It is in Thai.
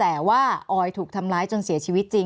แอนตาซินเยลโรคกระเพาะอาหารท้องอืดจุกเสียดแสบร้อน